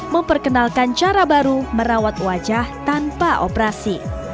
memperkenalkan cara baru merawat wajah tanpa operasi